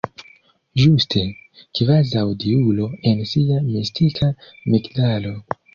Ĝuste: kvazaŭ diulo en sia mistika migdalo.